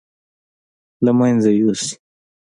له مېنځه يوسي.